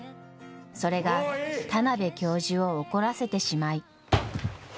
それが田邊教授を怒らせてしまい。